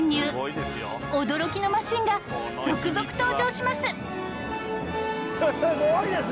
驚きのマシンが続々登場します。